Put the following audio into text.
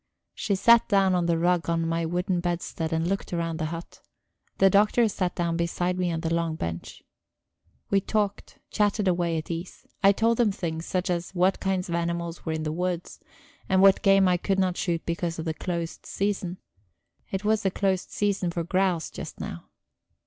She sat down on the rug over my wooden bedstead and looked round the hut; the Doctor sat down beside me on the long bench. We talked, chatted away at ease; I told them things, such as what kinds of animals there were in the woods, and what game I could not shoot because of the closed season. It was the closed season for grouse just now.